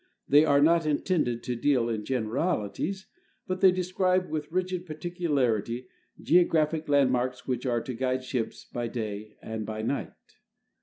They are not intended to deal in generalities, butthe}'' describe with rigid particularity geographic landmarks which are to guide ships by day and by night.